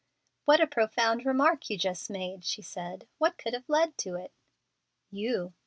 "What a profound remark you just made!" she said. "What could have led to it?" "You."